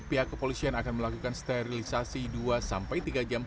pihak kepolisian akan melakukan sterilisasi dua sampai tiga jam